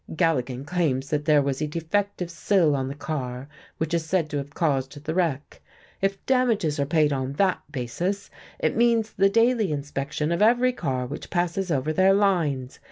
Galligan claims that there was a defective sill on the car which is said to have caused the wreck. If damages are paid on that basis, it means the daily inspection of every car which passes over their lines.